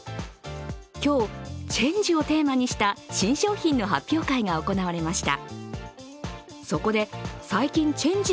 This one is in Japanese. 今日、チェンジをテーマにした新商品の発表会が行われました。